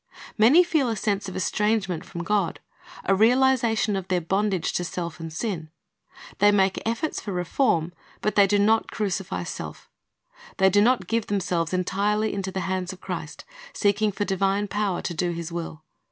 Many feel a sense of estrangement from God, a realization of their bondage to self and sin; they make efforts for reform; but they do not crucify self They do not give themselves entirely into the hands of Christ, seeking for divine power to do His will.